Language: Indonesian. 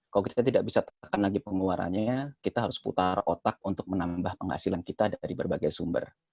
kalau kita tidak bisa tekan lagi pengeluarannya kita harus putar otak untuk menambah penghasilan kita dari berbagai sumber